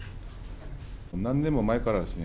何年も前からですね